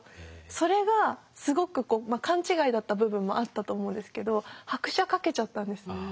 それがすごくこうまあ勘違いだった部分もあったと思うんですけど拍車かけちゃったんです。